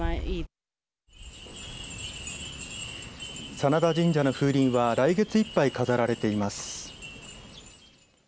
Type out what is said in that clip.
眞田神社の風鈴は来月いっぱい飾られています。